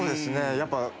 やっぱ。